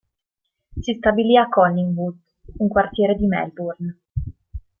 Si stabilì a Collingwood, un quartiere di Melbourne.